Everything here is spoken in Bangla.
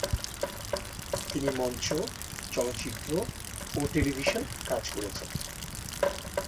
তিনি মঞ্চ, চলচ্চিত্র ও টেলিভিশন কাজ করেছেন।